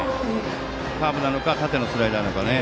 カーブなのか縦のスライダーなのか。